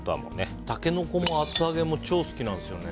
タケノコも厚揚げも超好きなんですよね。